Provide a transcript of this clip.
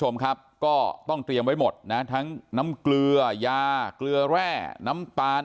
คุณผู้ชมครับก็ต้องเตรียมไว้หมดนะทั้งน้ำเกลือยาเกลือแร่น้ำตาล